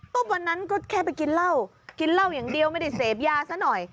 วันนั้นก็แค่ไปกินเหล้ากินเหล้าอย่างเดียวไม่ได้เสพยาซะหน่อย